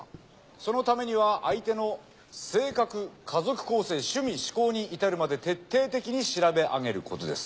そのためには相手の性格家族構成趣味嗜好に至るまで徹底的に調べあげることです。